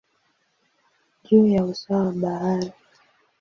juu ya usawa wa bahari.